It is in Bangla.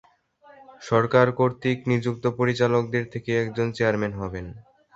সরকার কর্তৃক নিযুক্ত পরিচালকদের থেকে একজন চেয়ারম্যান হবেন।